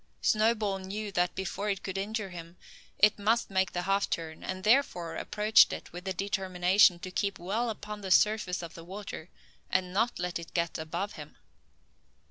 Snowball knew that before it could injure him, it must make the half turn, and, therefore, approached it with the determination to keep well upon the surface of the water, and not let it get above him.